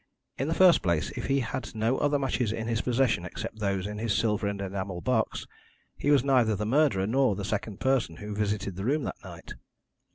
In the first place, if he had no other matches in his possession except those in his silver and enamel box, he was neither the murderer nor the second person who visited the room that night.